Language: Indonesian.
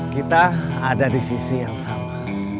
kita ada di sisi yang sama